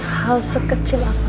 hal sekecil aku